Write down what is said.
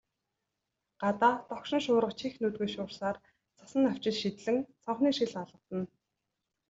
Гадаа догшин шуурга чих нүдгүй шуурсаар, цасан навчис шидлэн цонхны шил алгадна.